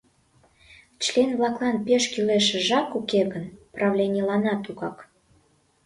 Член-влаклан «пеш кӱлешыжак» уке гын, правленийланат тугак.